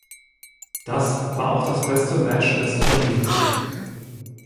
Das war auch das beste Match des Turniers.